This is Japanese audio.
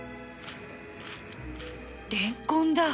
レンコンだ！